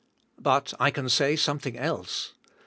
But I can say something else.